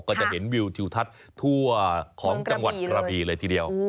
ก็จะเห็นวิวทิวทัศน์ทั่วของจังหวัดกระบีเลยทีเดียว